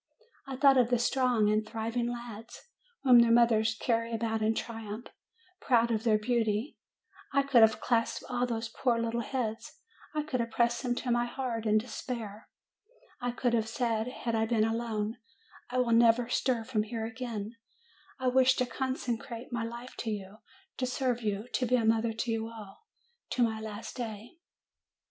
I thought of the strong and thriving lads, whom their mothers carry about in triumph, proud of their beauty; and I could have clasped all those poor little heads, I could have pressed them to my heart, in despair ; I could have said, had I been alone, "I will never stir from here again; I wish to consecrate my life to you, to serve you, to be a mother to you all, to my last day."